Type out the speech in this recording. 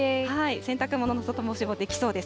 洗濯物の外干しもできそうです。